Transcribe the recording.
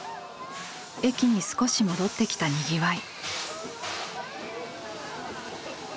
駅に少し戻ってきたにぎわい。